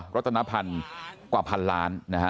รัฐนพันธ์กว่าพันล้านนะฮะ